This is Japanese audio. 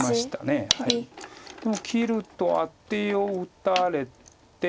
でも切るとアテを打たれて。